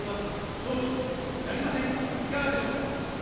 総理、やりませんか、いかがでしょうか。